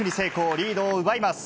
リードを奪います。